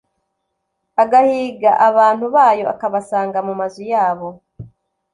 agahiga abantu bayo, akabasanga mu mazu yabo